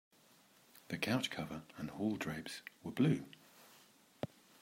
The couch cover and hall drapes were blue.